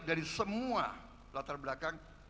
dari semua latar belakang